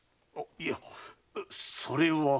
あいやそれは。